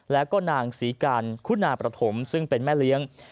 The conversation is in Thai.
แล้วก็นางศรีกันคุณาประถมซึ่งเป็นแม่เลี้ยง